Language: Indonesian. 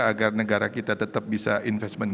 agar negara kita tetap bisa investment